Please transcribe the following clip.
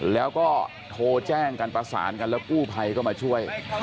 แล้วก็โทรแจ้งกันประสานกันแล้วกู้ภัยก็มาช่วย